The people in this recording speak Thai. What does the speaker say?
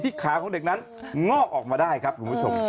ขาของเด็กนั้นงอกออกมาได้ครับคุณผู้ชม